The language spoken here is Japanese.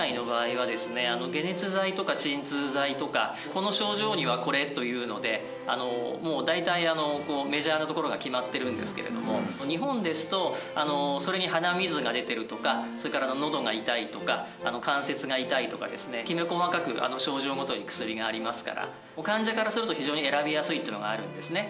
「この症状にはこれ」というので大体メジャーなところが決まってるんですけれども日本ですとそれに鼻水が出てるとかそれからのどが痛いとか関節が痛いとかですねきめ細かく症状ごとに薬がありますから患者からすると非常に選びやすいっていうのがあるんですね。